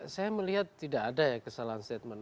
saya melihat tidak ada ya kesalahan statement